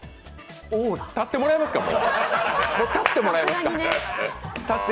立ってもらえますか。